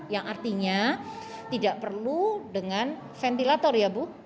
yang artinya tidak perlu dengan ventilator ya bu